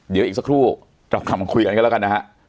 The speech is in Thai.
เดี๋ยวอีกสักครู่เรากลับมาคุยกันกันแล้วกันนะฮะ